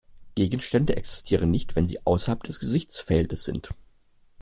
Gegenstände existieren nicht, wenn sie außerhalb des Gesichtsfeldes sind.